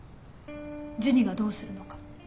ジュニがどうするのか。